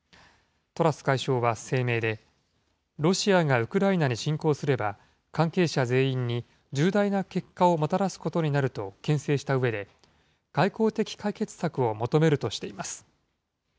トラス外相は声明で、ロシアがウクライナに侵攻すれば、関係者全員に重大な結果をもたらすことになるとけん制したうえで、外交的解決策を求めるとしています。